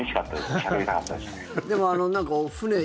しゃべりたかったですね。